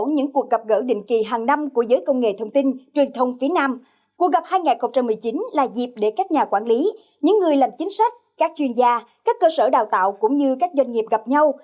những người làm chính sách các chuyên gia các cơ sở đào tạo cũng như các doanh nghiệp gặp nhau